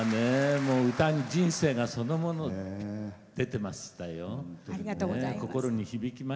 歌に人生がそのもの出てましたよ。